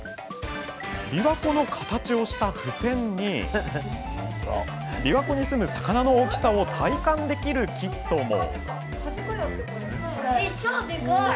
琵琶湖の形をしたふせんに琵琶湖に住む魚の大きさを体感できるキットも！